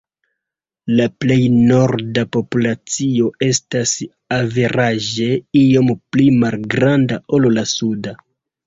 La plej norda populacio estas averaĝe iom pli malgranda ol la suda.